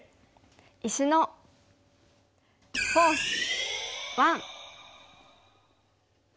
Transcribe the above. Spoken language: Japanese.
「石のフォース１」。